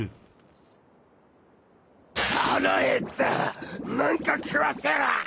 腹減った何か食わせろ！